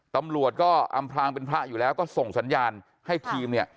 ตำรวจก็อำพลางเป็นพระอยู่แล้วก็ส่งสัญญาณให้ทีมเนี่ย